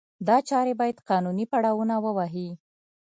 دا چارې باید قانوني پړاونه ووهي.